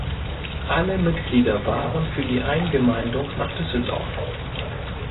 Alle Mitglieder waren für die Eingemeindung nach Düsseldorf.